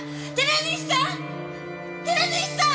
寺西さん！